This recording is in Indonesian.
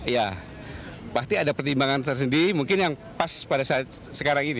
ya pasti ada pertimbangan tersendiri mungkin yang pas pada saat sekarang ini